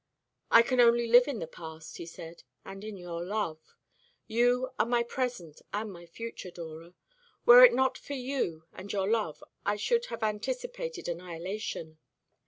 "I can only live in the past," he said, "and in your love. You are my present and my future, Dora. Were it not for you and your love I should have anticipated annihilation.